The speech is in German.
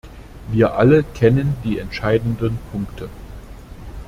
Wir alle kennen die entscheidenden Punkte.